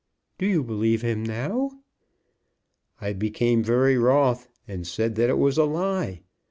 "Do you believe him now?" "I became very wroth, and said that it was a lie!